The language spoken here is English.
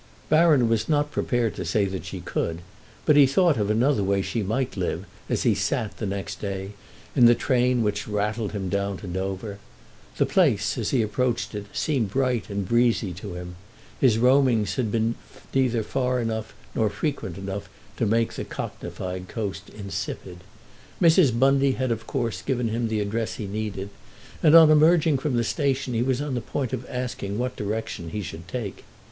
Baron was not prepared to say that she could, but he thought of another way she might live as he sat, the next day, in the train which rattled him down to Dover. The place, as he approached it, seemed bright and breezy to him; his roamings had been neither far enough nor frequent enough to make the cockneyfied coast insipid. Mrs. Bundy had of course given him the address he needed, and on emerging from the station he was on the point of asking what direction he should take.